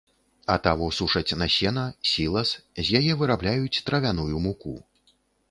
Атаву сушаць на сена, сілас, з яе вырабляюць травяную муку.